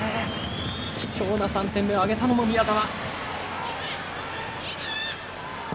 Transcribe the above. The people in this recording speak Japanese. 貴重な３点目を挙げたのも宮澤。